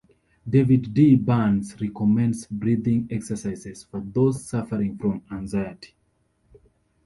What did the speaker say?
David D. Burns recommends breathing exercises for those suffering from anxiety.